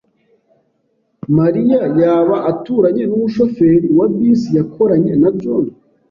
Mariya yaba aturanye numushoferi wa bisi yakoranye na John?